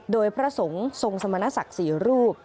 โดยพระสงฆ์ทรงสมณสักษีรูป